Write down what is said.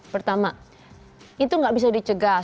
pertama itu nggak bisa dicegah